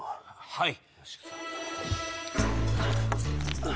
はい。